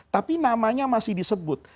tapi namanya masih disebut